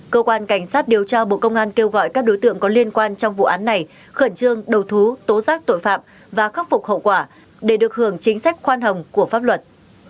cơ quan cảnh sát điều tra bộ công an kêu gọi các đối tượng có liên quan trong vụ án này khẩn trương đầu thú tố giác tội phạm và khắc phục hậu quả để được hưởng chính sách khoan hồng của pháp luật